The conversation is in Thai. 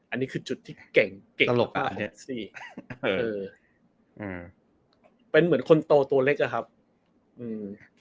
อันนี้คือจุดที่เก่งเก่งหลบอ่ะสิเอออืมเป็นเหมือนคนโตตัวเล็กอะครับอืม